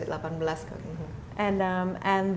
dan bunga itu adalah